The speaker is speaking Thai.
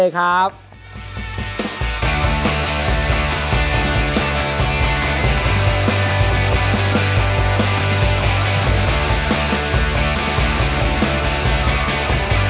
ขอบคุณครับพี่เรย์ครับ